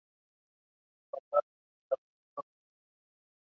He played college basketball for the San Diego State Aztecs.